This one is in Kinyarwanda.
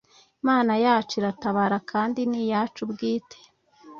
imana yacu iratabara kandi niyacu bwite